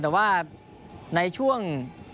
แต่ว่าในช่วง